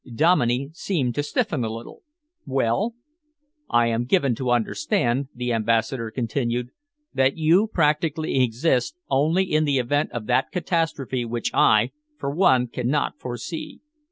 Dominey seemed to stiffen a little. "Well?" "I am given to understand," the Ambassador continued, "that you practically exist only in the event of that catastrophe which I, for one, cannot foresee.